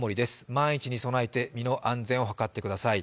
万一に備えて身の安全を図ってください。